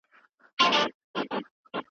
په لاس لیکل د بریاوو د لمانځلو وسیله ده.